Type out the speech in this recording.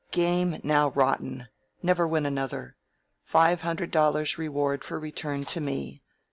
Game now rotten: never win another. Five hundred dollars reward for return to me.